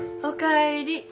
おかえり。